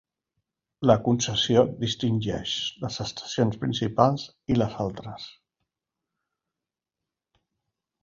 La concessió distingeix les estacions principals i les altres.